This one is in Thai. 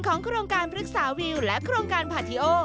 โครงการพฤกษาวิวและโครงการพาทีโอ